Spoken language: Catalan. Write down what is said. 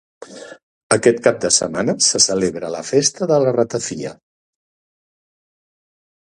Aquest cap de setmana se celebra la Festa de la Ratafia.